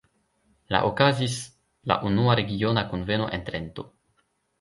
La okazis la unua regiona kunveno en Trento.